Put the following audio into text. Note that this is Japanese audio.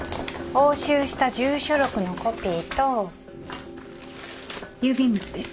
押収した住所録のコピーと郵便物です。